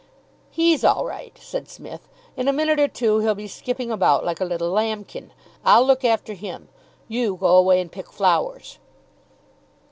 "He's all right," said Psmith. "In a minute or two he'll be skipping about like a little lambkin. I'll look after him. You go away and pick flowers."